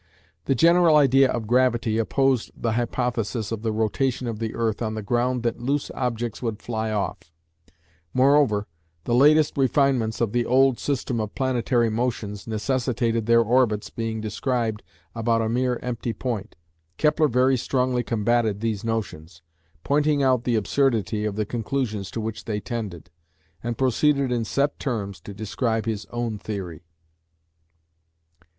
The general idea of "gravity" opposed the hypothesis of the rotation of the earth on the ground that loose objects would fly off: moreover, the latest refinements of the old system of planetary motions necessitated their orbits being described about a mere empty point. Kepler very strongly combated these notions, pointing out the absurdity of the conclusions to which they tended, and proceeded in set terms to describe his own theory.